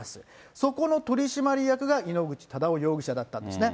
そこの取締役が井ノ口忠男容疑者だったんですね。